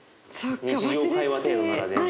日常会話程度なら全然。